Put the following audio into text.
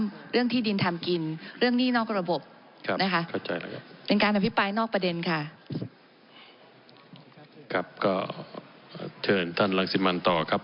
ครับก็เชิญท่านรังสิมันต่อครับ